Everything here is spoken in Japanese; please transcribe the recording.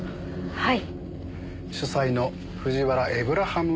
はい。